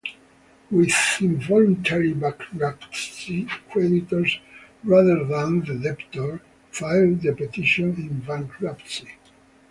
With involuntary bankruptcy, creditors, rather than the debtor, file the petition in bankruptcy.